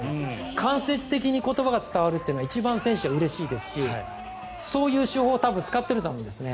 間接的に言葉が伝わるのは一番選手はうれしいですしそういう手法を多分使っていると思うんですね。